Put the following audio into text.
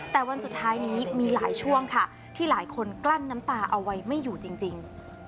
แต่วันสุดท้ายนี้มีหลายช่วงค่ะที่หลายคนกลั้นน้ำตาเอาไว้ไม่อยู่จริง